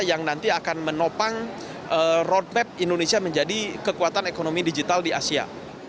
yang nanti akan menopang roadmap indonesia menjadi kekuatan ekonomi digital di asia